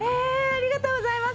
ありがとうございます。